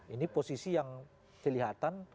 ini posisi yang kelihatan